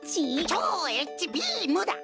超Ｈビームだ！